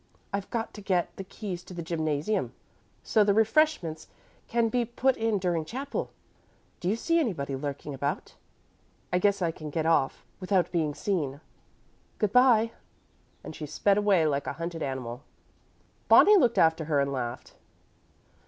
"I've got to get the keys to the gymnasium, so the refreshments can be put in during chapel. Do you see anybody lurking about? I guess I can get off without being seen. Good by"; and she sped away like a hunted animal. Bonnie looked after her and laughed.